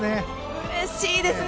うれしいですね。